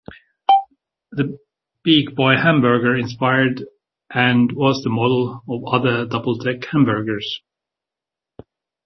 The Big Boy hamburger inspired and was the model for other double deck hamburgers.